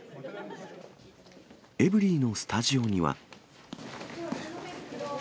エブリィのスタジオには。